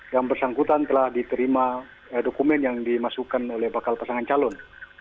yang bersangkutan telah diterima dokumen yang dimasukkan oleh bakal pasangan calon